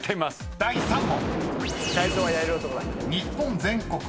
［第３問］